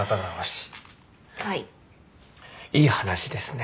いい話ですね。